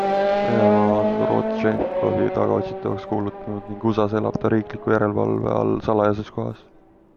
Venemaa on Rodtšenkovi tagaotsitavaks kuulutanud ning USAs elab ta riikliku järelevalve all salajases kohas.